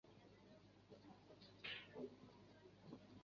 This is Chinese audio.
由于本航线曾经是长洲唯一能直接往返市区的航线。